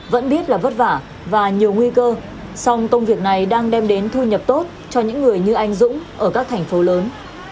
vẫn biết là vất vả và nhiều nguy cơ song công việc này đang đem đến thu nhập tốt cho những người như anh dũng ở các thành phố lớn